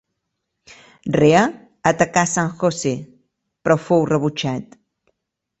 Rea atacà San José, però fou rebutjat.